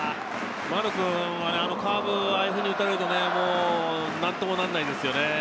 丸君にカーブをああいうふうに打たれるともう何ともならない。